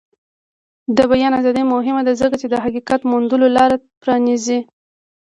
د بیان ازادي مهمه ده ځکه چې د حقیقت موندلو لاره پرانیزي.